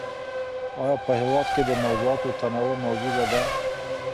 آيا په هېواد کي د موضوعاتو تنوع موجوده ده؟